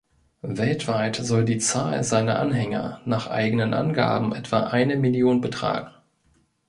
Weltweit soll die Zahl seiner Anhänger nach eigenen Angaben etwa eine Million betragen.